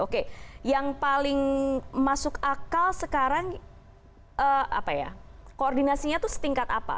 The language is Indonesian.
oke yang paling masuk akal sekarang koordinasinya itu setingkat apa